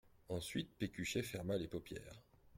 Ensuite Pécuchet ferma les paupières.